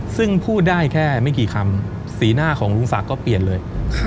ซึ่งพูดได้แค่ไม่กี่คำสีหน้าของลุงศักดิ์ก็เปลี่ยนเลย